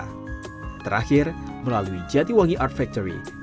dan terakhir melalui jatiwangi art factory